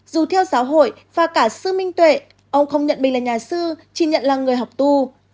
dù theo giáo hội và cả sư minh tuệ ông không nhận mình là nhà sư chỉ nhận là người học tu